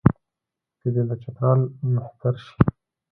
که دی د چترال مهتر شي.